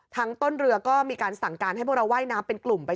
ต้นเรือก็มีการสั่งการให้พวกเราว่ายน้ำเป็นกลุ่มไป